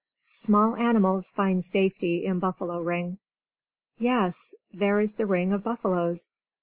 Small Animals Find Safety in Buffalo Ring Yes, there is the ring of buffaloes!